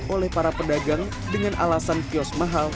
oleh para pedagang dengan alasan kios mahal